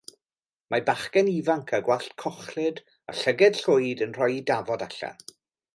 Mae bachgen ifanc â gwallt cochlyd a llygaid llwyd yn rhoi ei dafod allan.